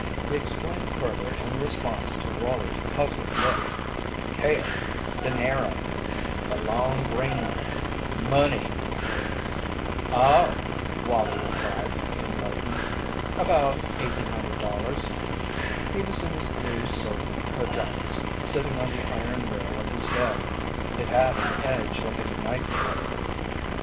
He explained further in response to Wallie's puzzled look: "Kale dinero the long green money." "Oh," Wallie replied, enlightened, "about $1,800." He was in his blue silk pajamas, sitting on the iron rail of his bed it had an edge like a knife blade.